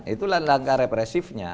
itulah langkah repressifnya